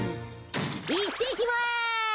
いってきます。